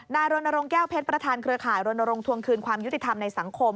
รณรงค์แก้วเพชรประธานเครือข่ายรณรงควงคืนความยุติธรรมในสังคม